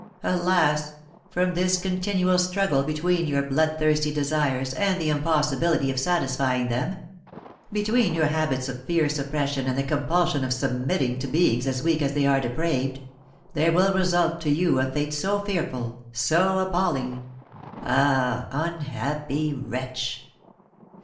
Alas! from this continual struggle between your bloodthirsty desires and the impossibility of satisfying them, between your habits of fierce oppression and the compulsion of submitting to beings as weak as they are depraved, there will result to you a fate so fearful, so appalling. Ah, unhappy wretch!"